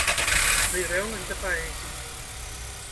Дый рэўнасць да паэзіі.